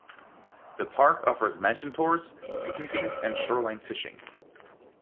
The park offers mansion tours, picnicking, and shoreline fishing.